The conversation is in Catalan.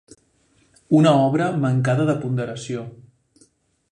Una obra mancada de ponderació.